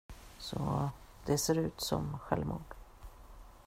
Så det ser ut som självmord.